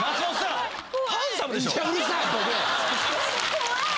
怖い。